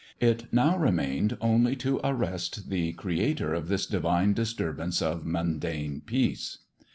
It now remained only to arrest the creator of this divine disturbance of mundane peace.